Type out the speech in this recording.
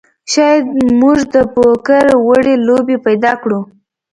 شاید موږ د پوکر وړې لوبې پیدا کړو